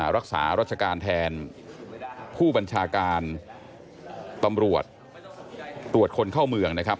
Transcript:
รักษารัชการแทนผู้บัญชาการตำรวจตรวจคนเข้าเมืองนะครับ